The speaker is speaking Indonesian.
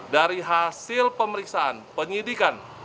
dari hasil pemeriksaan penyidikan